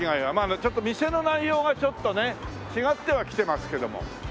ちょっと店の内容がちょっとね違ってはきてますけども。